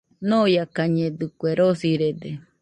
Ñoiakañedɨkue, rosirede.